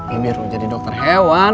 ini ruk jadi dokter hewan